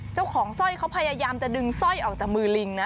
สร้อยเขาพยายามจะดึงสร้อยออกจากมือลิงนะ